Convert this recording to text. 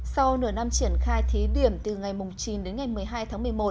sau nửa năm triển khai thí điểm từ ngày chín đến ngày một mươi hai tháng một mươi một